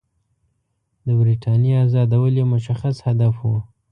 د برټانیې آزادول یې مشخص هدف وو.